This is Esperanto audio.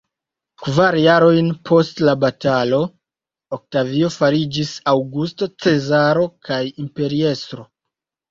Kvar jarojn post la batalo Oktavio fariĝis Aŭgusto Cezaro kaj imperiestro.